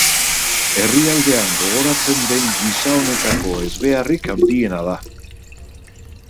Herrialdean gogoratzen den gisa honetako ezbeharrik handiena da.